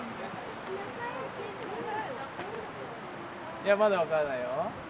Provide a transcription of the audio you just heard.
いやまだわからないよ。